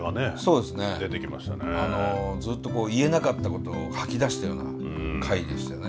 ずっと言えなかったことを吐き出したような回でしたね。